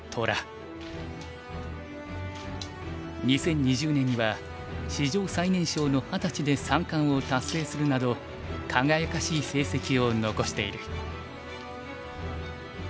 ２０２０年には史上最年少の二十歳で三冠を達成するなど輝かしい成績を残している。